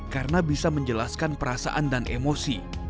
karena bisa menjelaskan perasaan dan emosi